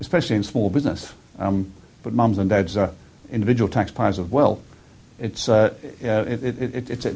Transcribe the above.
terutama dalam bisnis kecil